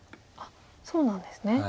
あっそうなんですね。